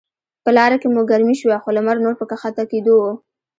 په لاره کې مو ګرمي شوه، خو لمر نور په کښته کیدو و.